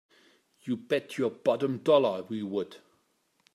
You bet your bottom dollar we would!